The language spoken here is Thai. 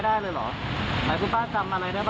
เคยตรวจโรคป่ะที่เค้าเอายางจมูกอ่ะ